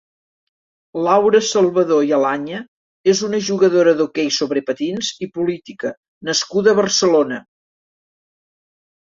Laura Salvador i Alaña és una jugadora d'hoquei sobre patins i política nascuda a Barcelona.